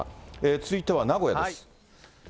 続いては名古屋です。